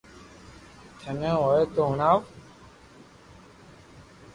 ٿني ھوئي تو ھڻاو